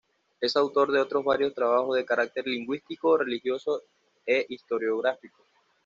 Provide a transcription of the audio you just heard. Es autor de otros varios trabajos de carácter lingüístico, religioso e historiográfico.